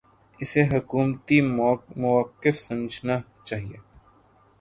اسے حکومتی موقف سمجھنا چاہیے۔